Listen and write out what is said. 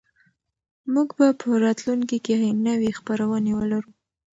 موږ به په راتلونکي کې نوې خپرونې ولرو.